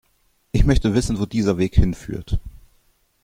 Ich möchte wissen, wo dieser Weg hinführt.